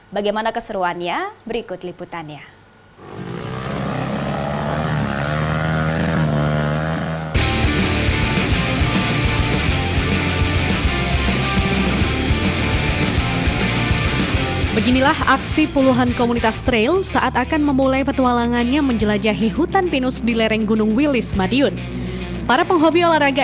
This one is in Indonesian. bagaimana keseruannya berikut liputannya